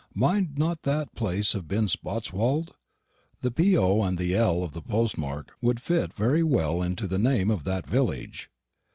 Might not that place have been Spotswold? the PO and the L of the postmark would fit very well into the name of that village.